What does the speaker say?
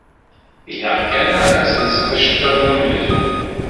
Ilaq kan ad telseḍ iceṭṭiḍen unebdu.